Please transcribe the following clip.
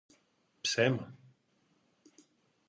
Ψέμα;